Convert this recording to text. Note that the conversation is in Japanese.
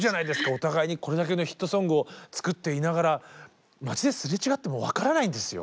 お互いにこれだけのヒットソングを作っていながら街ですれ違っても分からないんですよ。